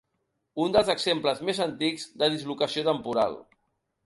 Un dels exemples més antics de dislocació temporal.